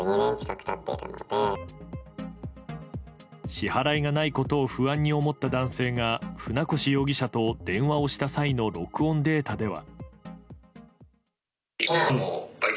支払いがないことを不安に思った男性が船越容疑者と電話をした際の録音データでは。